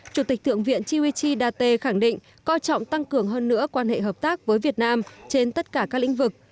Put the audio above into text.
chủ tịch thượng viện chiêu y chi đa tê khẳng định coi trọng tăng cường hơn nữa quan hệ hợp tác với việt nam trên tất cả các lĩnh vực